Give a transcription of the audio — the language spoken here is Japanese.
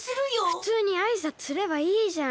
ふつうにあいさつすればいいじゃん。